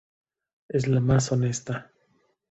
Es la más honesta.